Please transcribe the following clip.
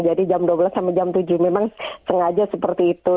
jadi jam dua belas sama jam tujuh memang sengaja seperti itu